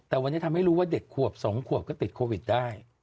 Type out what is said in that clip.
แต่วันนี้ทำให้รู้ว่าเด็กขวบ๒ขวบก็ติดโควิดได้